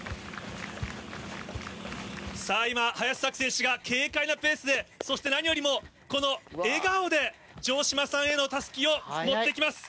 さあ今、林咲希選手が軽快なペースで、そして何よりも、この笑顔で、城島さんへのたすきを持ってきます。